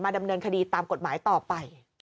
ดำเนินคดีตามกฎหมายต่อไป